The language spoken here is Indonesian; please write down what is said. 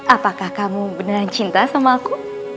apakah kamu benar cinta sama aku